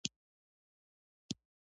ایا ستاسو کتاب به په ښي لاس نه وي؟